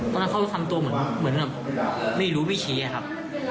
ตอนนั้นเขาทำตัวเหมือนแบบไม่รู้วิธีอะครับ